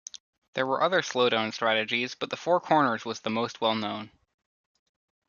There were other slowdown strategies, but the four corners was the most well known.